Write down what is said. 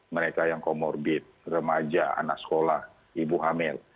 mereka yang comorbid remaja anak sekolah ibu hamil